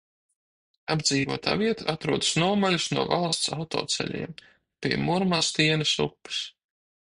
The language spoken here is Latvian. Apdzīvotā vieta atrodas nomaļus no valsts autoceļiem, pie Murmastienes upes.